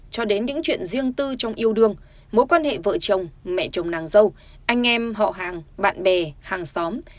cho đến những chuyện riêng tư trong yêu đương mối quan hệ vợ chồng mẹ chồng nàng dâu anh em họ hàng bạn bè hàng xóm